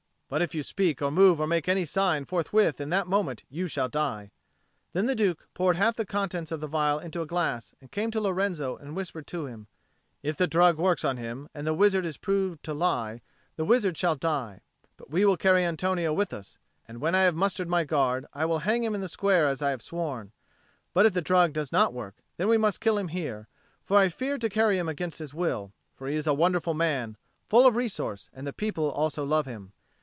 But if you speak or move or make any sign, forthwith in that moment you shall die." Then the Duke poured half the contents of the phial into a glass and came to Lorenzo and whispered to him, "If the drug works on him, and the wizard is proved to lie, the wizard shall die; but we will carry Antonio with us; and when I have mustered my Guard, I will hang him in the square as I have sworn. But if the drug does not work, then we must kill him here; for I fear to carry him against his will; for he is a wonderful man, full of resource, and the people also love him.